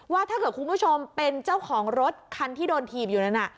ว่าถ้าเกิดคุณผู้ชมเป็นเจ้าของรถคันที่โดนถีบอยู่นั้น